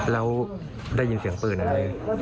แล้วได้ยินเสียงปืนอะไร